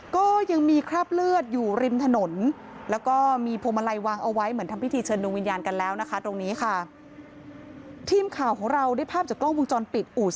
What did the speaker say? ก็ยังมีคราบเลือดอยู่ริมถนนแล้วก็มีพวงมาลัยวางเอาไว้